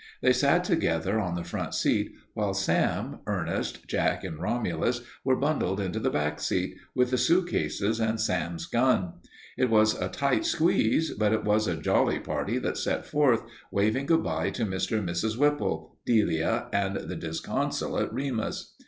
They sat together on the front seat, while Sam, Ernest, Jack, and Romulus were bundled into the back seat, with the suitcases and Sam's gun. It was a tight squeeze, but it was a jolly party that set forth, waving good by to Mr. and Mrs. Whipple, Delia, and the disconsolate Remus.